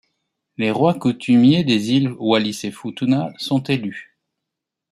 Les rois coutumiers des îles Wallis-et-Futuna sont élus.